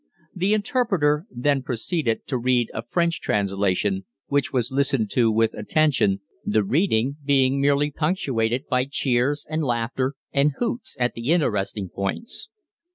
The interpreter then proceeded to read a French translation, which was listened to with attention, the reading being merely punctuated by cheers and laughter and hoots at the interesting points.